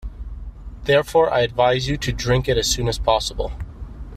Therefore I advise you to drink it as soon as possible.